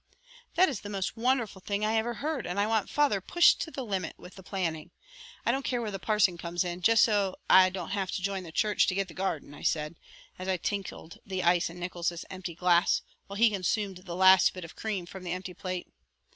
"This is the most wonderful thing I ever heard and I want father pushed to the limit with the planning. I don't care where the parson comes in, just so I don't have to join the church to get the garden," I said, as I tinkled the ice in Nickols' empty glass, while he consumed the last bit of cream from the empty plate.